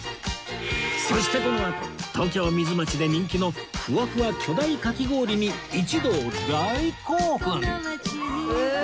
そしてこのあと東京ミズマチで人気のフワフワ巨大かき氷に一同大興奮！